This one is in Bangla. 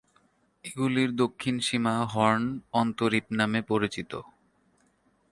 এগুলির দক্ষিণ সীমা হর্ন অন্তরীপ নামে পরিচিত।